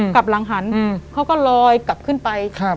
กลับหลังหันเขาก็ลอยกลับขึ้นไป